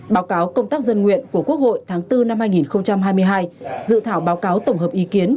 báo cáo công tác dân nguyện của quốc hội tháng bốn năm hai nghìn hai mươi hai dự thảo báo cáo tổng hợp ý kiến